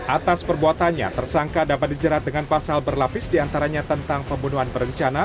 atas perbuatannya tersangka dapat dijerat dengan pasal berlapis diantaranya tentang pembunuhan berencana